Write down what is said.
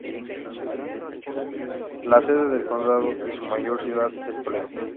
La sede del condado y su mayor ciudad es Toledo.